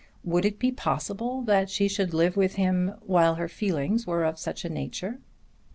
Would it be possible that she should live with him while her feelings were of such a nature?